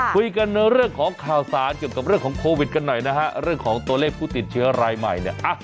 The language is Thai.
คุยกันเรื่องของข่าวสารเกี่ยวกับเรื่องของโควิดกันหน่อยนะฮะเรื่องของตัวเลขผู้ติดเชื้อรายใหม่เนี่ย